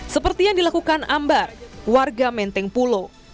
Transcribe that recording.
seperti yang dilakukan ambar warga menteng pulo